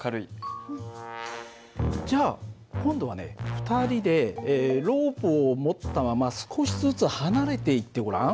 ２人でロープを持ったまま少しずつ離れていってごらん。